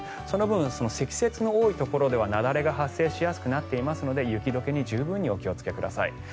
その分、積雪の多いところでは雪崩が発生しやすくなっていますので雪解けに十分にお気をつけください。